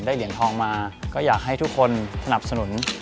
เหรียญทองมาก็อยากให้ทุกคนสนับสนุน